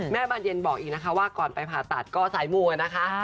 บานเย็นบอกอีกนะคะว่าก่อนไปผ่าตัดก็สายมัวนะคะ